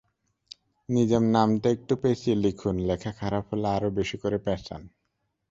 নিজের নামটা একটু পেঁচিয়ে লিখুন, লেখা খারাপ হলে আরও বেশি করে প্যাঁচান।